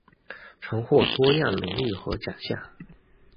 曾获多样荣誉和奖项。